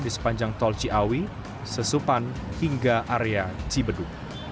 di sepanjang tol ciawi sesupan hingga area cibedu